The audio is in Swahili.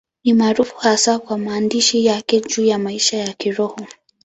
Ni maarufu hasa kwa maandishi yake juu ya maisha ya Kiroho.